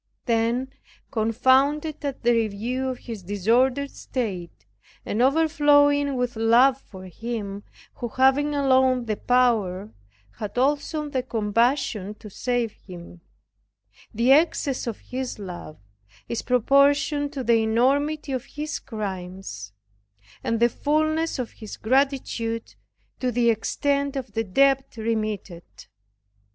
Then confounded at the review of his disordered state, and overflowing with love for Him, who having alone the power, had also the compassion to save him the excess of his love is proportioned to the enormity of his crimes, and the fullness of his gratitude to the extent of the debt remitted.